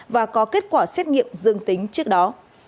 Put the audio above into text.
và có kết quả xét nghiệm dương tính trước đó